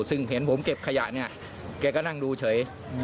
ซึ่งเห็นผมเก็บขยะเนี่ยแกก็นั่งดูเฉย